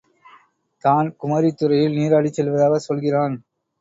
தான் குமரித்துறையில் நீராடிச் செல்வதாகச் சொல்கிறான்.